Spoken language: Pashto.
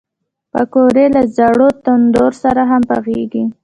پکورې له زاړه تندور سره هم پخېږي